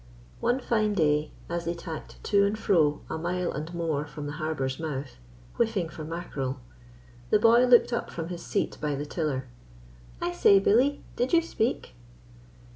One fine day, as they tacked to and fro a mile and more from the harbour's mouth, whiffing for mackerel, the boy looked up from his seat by the tiller. "I say, Billy, did you speak?"